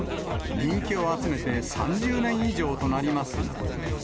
人気を集めて３０年以上となりま